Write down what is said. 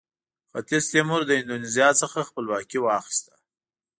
ختیځ تیمور د اندونیزیا څخه خپلواکي واخیسته.